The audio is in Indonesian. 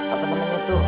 apa namanya tuh